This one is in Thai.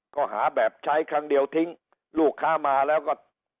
ก็หาแบบใช้ครั้งเดียวทิ้งลูกค้ามาแล้วก็